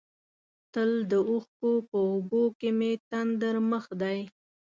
تل د اوښکو په اوبو کې مې تندر مخ دی.